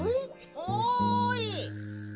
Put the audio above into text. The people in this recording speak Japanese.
おい！